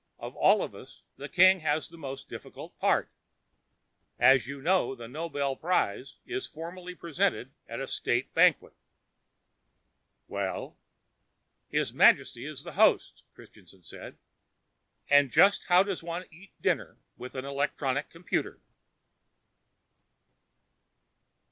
"Of all of us, the king has the most difficult part. As you know, the Nobel Prize is formally presented at a State banquet." "Well?" "His Majesty is the host," Christianson said. "And just how does one eat dinner with an electronic computer?"